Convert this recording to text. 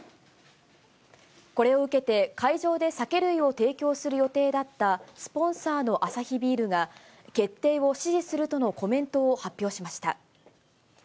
これを受けて、会場で酒類を提供する予定だったスポンサーのアサヒビールが、決定を支持するとのコメントを発表しました。